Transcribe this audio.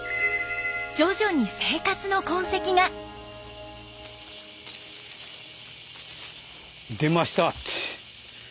徐々に生活の痕跡が。出ました。